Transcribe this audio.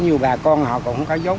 nhiều bà con họ cũng không có dống